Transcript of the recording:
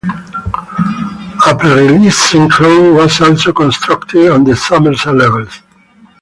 A pre-release enclosure was also constructed on the Somerset Levels.